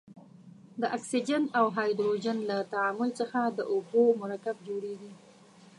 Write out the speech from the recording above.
د اکسیجن او هایدروجن له تعامل څخه د اوبو مرکب جوړیږي.